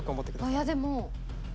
いやでも。